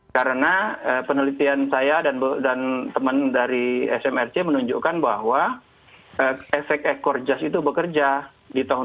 karena penelitian saya dan teman dari smrc menunjukkan bahwa efek ekor jas itu bekerja di tahun dua ribu sembilan belas